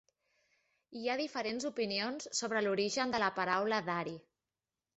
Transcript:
Hi ha diferents opinions sobre l'origen de la paraula "Dari".